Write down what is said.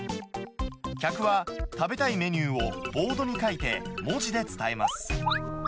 客は食べたいメニューをボードに書いて、文字で伝えます。